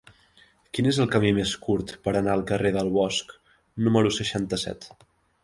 Quin és el camí més curt per anar al carrer del Bosc número seixanta-set?